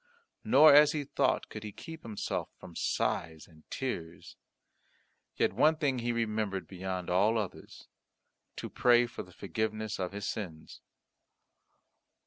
Nor, as he thought, could he keep himself from sighs and tears; yet one thing he remembered beyond all others to pray for forgiveness of his sins.